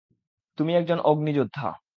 তুমি একজন অগ্নিযোদ্ধা।